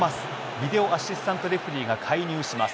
ビデオ・アシスタント・レフェリーが介入します。